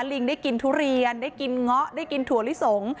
ลิงได้กินทุเรียนได้กินเงาะได้กินถั่วลิสง